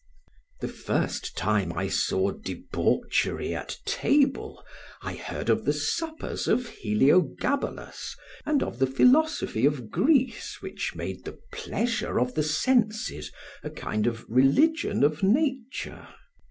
The first time I saw debauchery at table I heard of the suppers of Heliogabalus and of the philosophy of Greece which made the pleasure of the senses a kind of religion of nature.